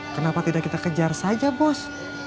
kenapa tidak kita kejar saja bos